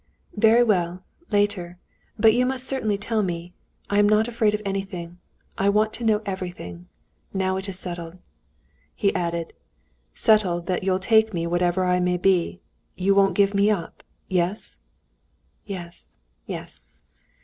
"Very well, later, but you must certainly tell me. I'm not afraid of anything. I want to know everything. Now it is settled." He added: "Settled that you'll take me whatever I may be—you won't give me up? Yes?" "Yes, yes."